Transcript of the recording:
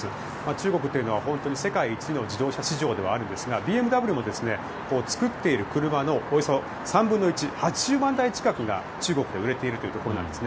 中国というのは本当に世界一の自動車市場ではあるんですがＢＭＷも作っている車のおよそ３分の１８０万台近くが中国で売れているというところなんです。